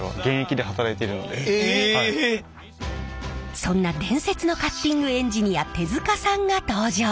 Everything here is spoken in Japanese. そんな伝説のカッティングエンジニア手塚さんが登場！